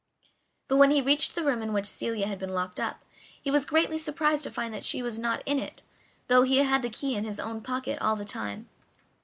But when he reached the room in which Celia had been locked up, he was greatly surprised to find that she was not in it, though he had the key in his own pocket all the time.